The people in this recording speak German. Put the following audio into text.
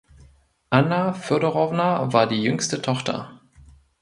Anna Fjodorowna war die jüngste Tochter.